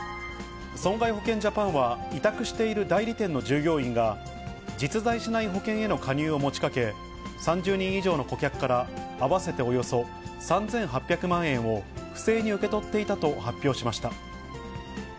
損害保険ジャパンは、委託している代理店の従業員が、実在しない保険への加入を持ちかけ、３０人以上の顧客から合わせておよそ３８００万円を不正に受け取っていたと発表しました。